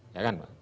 ya kan pak